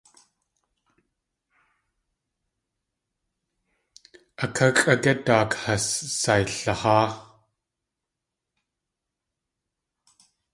A káxʼ ágé daak has sayliháa?